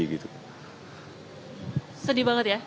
sedih banget ya